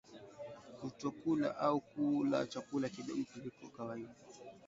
Kutokula au kula chakula kidogo kuliko kawaida